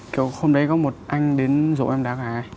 kiểu hôm đấy có một anh đến rủ em đá gà ấy